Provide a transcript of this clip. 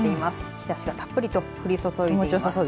日ざしがたっぷりと降り注いでいます。